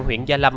huyện gia lâm